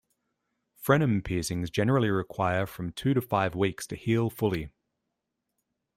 Frenum piercings generally require from two to five weeks to heal fully.